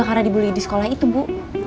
karena dibully di sekolah itu bu